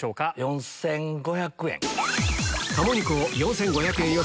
４５００円。